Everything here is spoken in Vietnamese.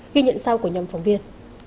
ghi nhận sau của nhóm phóng viên